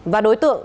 và đối tượng